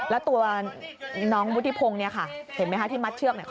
แล้วตัวน้องวุฒิพงศ์เนี่ยค่ะเห็นไหมคะที่มัดเชือกเนี่ย